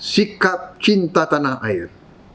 sikap cinta tanah air